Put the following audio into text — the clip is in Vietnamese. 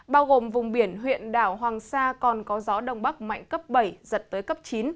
bao gồm vùng biển huyện đảo hoàng sa còn có gió đông bắc mạnh cấp bảy giật tới cấp chín